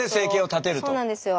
そうなんですよ。